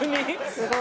すごい。